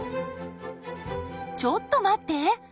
ちょっと待って！